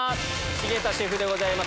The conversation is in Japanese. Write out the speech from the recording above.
重田シェフでございます